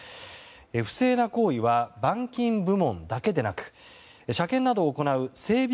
不正な行為は板金部門だけでなく車検などを行う整備